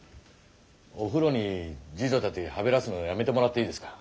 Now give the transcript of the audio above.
お風呂に侍女たちはべらすのやめてもらっていいですか？